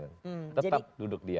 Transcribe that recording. tetap duduk diam